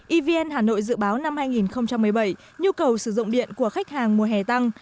evn hà nội dự báo năm hai nghìn một mươi bảy nhu cầu sử dụng điện của khách hàng mùa hè tăng